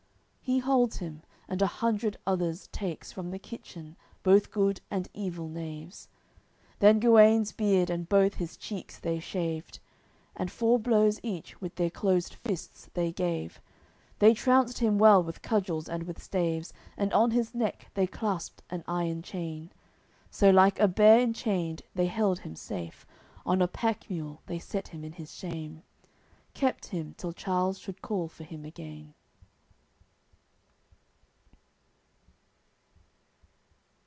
He holds him, and a hundred others takes From the kitchen, both good and evil knaves; Then Guenes beard and both his cheeks they shaved, And four blows each with their closed fists they gave, They trounced him well with cudgels and with staves, And on his neck they clasped an iron chain; So like a bear enchained they held him safe, On a pack mule they set him in his shame: Kept him till Charles should call for him again.